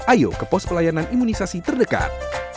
ayo ke pos pelayanan imunisasi terdekat